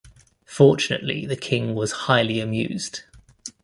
Fortunately, the King was highly amused.